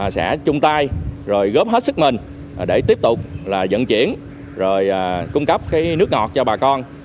sẽ chung tay góp hết sức mình để tiếp tục dẫn chuyển cung cấp nước ngọt cho bà con